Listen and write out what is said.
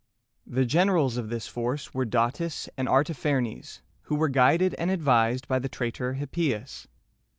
The generals of this force were Da´tis and Ar ta pher´ nes, who were guided and advised by the traitor Hippias.